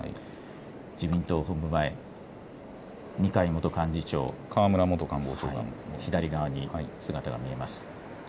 自民党本部前、二階元幹事長、河村元官房長官も姿が見えます。